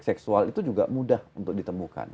jadi media sosial itu juga mudah mendapatkan prostitusi anak